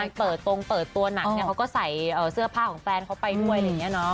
งานเปิดตรงเปิดตัวหนักเนี่ยเขาก็ใส่เสื้อผ้าของแฟนเขาไปด้วยเนี่ยเนอะ